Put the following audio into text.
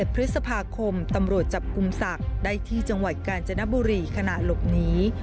พฤษภาคมตำรวจจับกลุ่มศักดิ์ได้ที่จังหวัดกาญจนบุรีขณะหลบหนี